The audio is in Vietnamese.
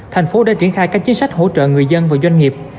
thành phố đã triển khai các chính sách hỗ trợ người dân và doanh nghiệp